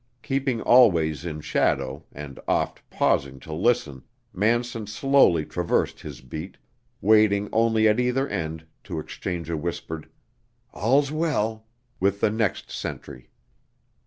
Keeping always in shadow, and oft pausing to listen, Manson slowly traversed his beat, waiting only at either end to exchange a whispered "All's well!" with the next sentry.